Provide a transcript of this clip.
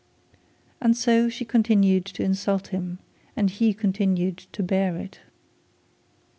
And so she continued to insult him, and he continued to bear it.